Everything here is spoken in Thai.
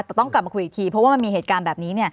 แต่ต้องกลับมาคุยอีกทีเพราะว่ามันมีเหตุการณ์แบบนี้